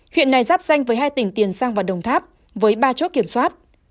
huyện này giáp danh với hai tỉnh tiền giang và đồng tháp với ba chốt kiểm soát